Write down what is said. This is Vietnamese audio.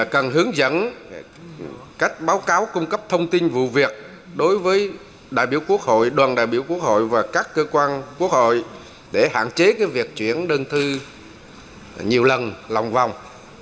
cần hướng dẫn cách báo cáo cung cấp thông tin vụ việc đối với đoàn đại biểu quốc hội và các cơ quan quốc hội để hạn chế việc chuyển đơn thư nhiều lần lòng vòng